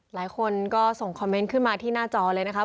หลายคนก็ส่งคอมเมนต์ขึ้นมาที่หน้าจอเลยนะครับ